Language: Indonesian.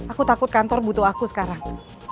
aku takut kantor butuh aku sekarang